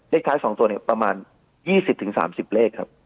ท้าย๒ตัวเนี่ยประมาณ๒๐๓๐เลขครับ